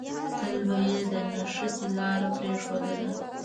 تل به يې د نښتې لاره پرېښودله.